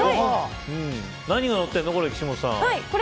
何がのってるの、岸本さん。